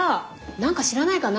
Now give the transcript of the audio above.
何か知らないかな？